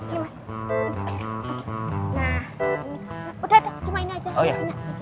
nah udah ada cuma ini aja